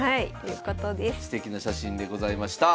すてきな写真でございました。